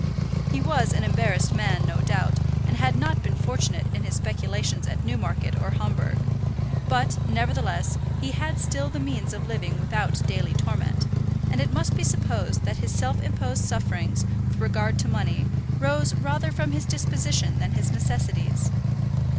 He was an embarrassed man, no doubt, and had not been fortunate in his speculations at Newmarket or Homburg; but, nevertheless, he had still the means of living without daily torment; and it must be supposed that his self imposed sufferings, with regard to money, rose rather from his disposition than his necessities.